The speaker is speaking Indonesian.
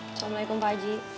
assalamualaikum pak haji